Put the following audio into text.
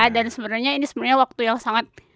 dan sebenarnya ini sebenarnya waktu yang sangat